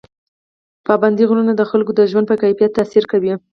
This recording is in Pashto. پابندي غرونه د خلکو د ژوند په کیفیت تاثیر کوي.